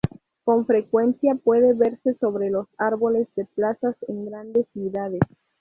Con frecuencia, puede verse sobre los árboles de plazas en grandes ciudades.